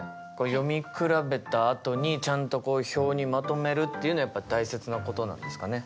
読み比べたあとにちゃんとこういう表にまとめるっていうのはやっぱ大切なことなんですかね？